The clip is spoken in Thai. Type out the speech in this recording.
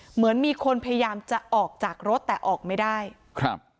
เหมือนมีคนพยายามจะออกจากรถแต่ออกไม่ได้ครับ